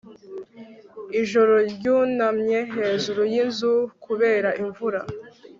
ijoro ryunamye hejuru y'inzu kubera imvura